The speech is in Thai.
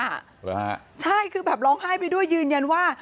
เหรอฮะใช่คือแบบร้องไห้ไปด้วยยืนยันว่า